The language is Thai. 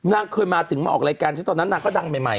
นางเคยมาถึงมาออกรายการฉันตอนนั้นนางก็ดังใหม่